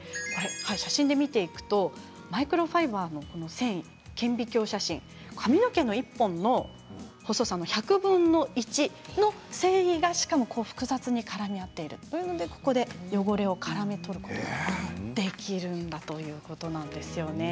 写真で見ていくとマイクロファイバーの繊維顕微鏡写真髪の毛の１本の細さの１００分の１の繊維が、しかも複雑に絡み合っているというのでここで汚れをからめ捕ることができるということです。